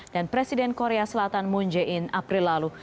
dan presiden korea selatan moon jae in april lalu